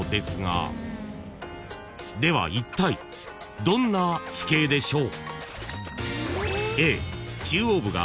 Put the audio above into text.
［ではいったいどんな地形でしょう？］